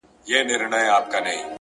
هره ورځ د ځان د بدلولو فرصت دی’